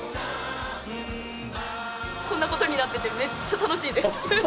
こんなことになってて、めっちゃ楽しいです。